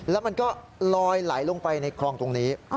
แล้วมันก็ลอยไหลลงไปในคลองตรงนี้